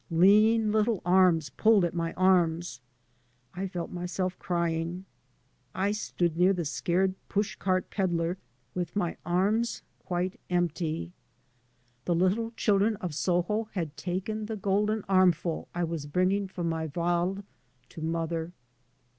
Lean little arms pulled at my arms. I felt myself crying. I stood near the scared push cart pedlar with 3 by Google MY MOTHER AND I my arms quite empty. The little children of Soho had taken the golden arm ful I was bringing from my " wald " to mother.